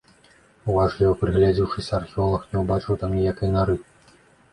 Уважліва прыгледзеўшыся, археолаг не ўбачыў там ніякай нары.